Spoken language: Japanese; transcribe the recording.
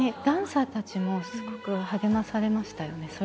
ダンサーたちもすごく励まされましたよね。